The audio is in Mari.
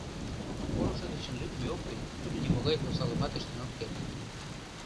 Колышо дечын лӱдмӧ ок кӱл, тудо нимогай осалымат ыштен ок керт.